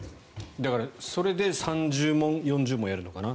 だからそれで３０問、４０問やるのかな。